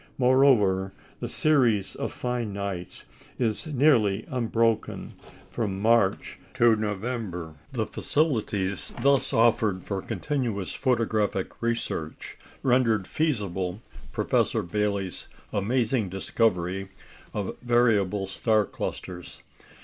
Moreover, the series of fine nights is nearly unbroken from March to November. The facilities thus offered for continuous photographic research rendered feasible Professor Bailey's amazing discovery of variable star clusters.